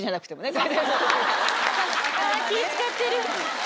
気ぃ使ってる。